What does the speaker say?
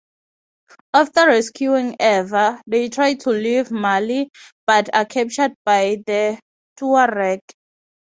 After rescuing Eva, they try to leave Mali, but are captured by the Tuareg.